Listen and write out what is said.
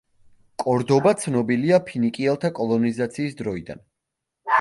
კორდობა ცნობილია ფინიკიელთა კოლონიზაციის დროიდან.